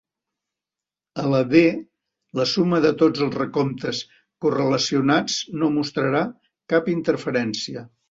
A la D, la suma de tots els recomptes correlacionats no mostrarà cap interferència.